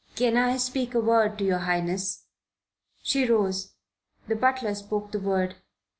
"Can I speak a word to Your Highness?" She rose. The butler spoke the word.